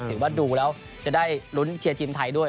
ถือว่าดูแล้วจะได้ลุ้นเชียร์ทีมไทยด้วย